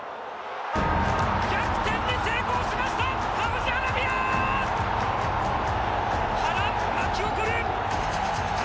逆転に成功しましたサウジアラビア！